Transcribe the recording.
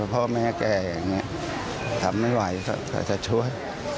พ่อแม่แกอย่างนี้ทำไม่ไหวแต่จะช่วย